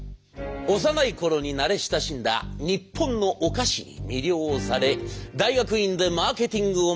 幼いころに慣れ親しんだ日本のお菓子に魅了され大学院でマーケティングを学び